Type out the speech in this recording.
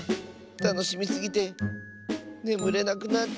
たのしみすぎてねむれなくなっちゃった。